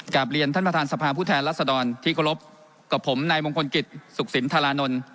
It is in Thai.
กลับเรียนท่านประธานสภาผู้แทนรัศดรที่เคารพกับผมนายมงคลกิจสุขสินธารานนท์